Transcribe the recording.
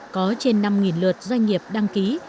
có trên năm lượt doanh nghiệp đăng ký